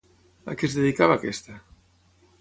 A què es dedicava aquesta?